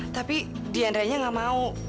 tapi diandranya nggak mau